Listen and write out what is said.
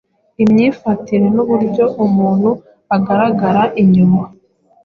imyifatire n’uburyo umuntu agaragara inyuma